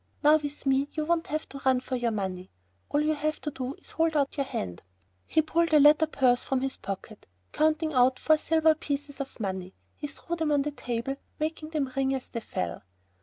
Now with me you won't have to run for your money, all you have to do is to hold out your hand." He pulled a leather purse from his pocket, counting out four silver pieces of money; he threw them down on the table, making them ring as they fell.